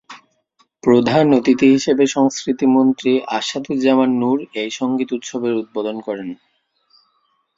প্রধান অতিথি হিসেবে সংস্কৃতিমন্ত্রী আসাদুজ্জামান নূর এই সংগীত উৎসবের উদ্বোধন করেন।